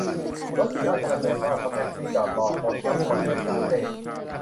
รถติดราชดำเนินนอก เพราะแท็กซี่จอดรอรับคนไปสามเลน !